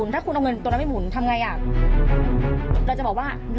ดีกว่า